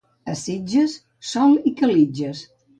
A Sitges, sol i calitges.